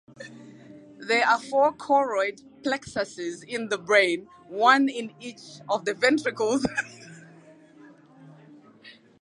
There are four choroid plexuses in the brain, one in each of the ventricles.